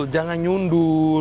sabar jangan nyundul